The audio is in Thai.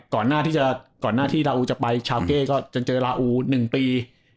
ก่อนหน้าที่ลาอูจะไปชาวเก้ก็จะเจอลาอู๑ปี